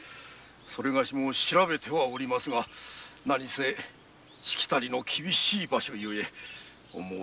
それがしも調べてはおりますが何せしきたりの厳しい場所ゆえ思うに任せませず。